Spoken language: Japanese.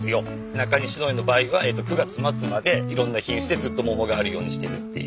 中西農園の場合は９月末までいろんな品種でずっと桃があるようにしてるっていう。